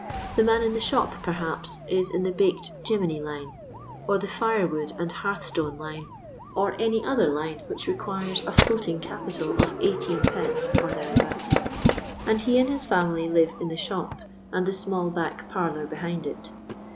" The man in the shop, perhaps, is in the baked 'jemmy' line, or the fire wood and hearth stone line, or any other line which requires a floating capital of eighteen pence or thereabouts : and he and his family live in the shop, and the small back parlour behind it.